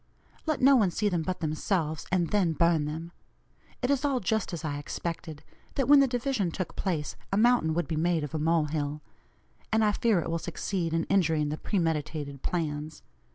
Let no one see them but themselves, and then burn them. It is all just as I expected that when the division took place, a 'mountain would be made of a mole hill.' And I fear it will succeed in injuring the premeditated plans.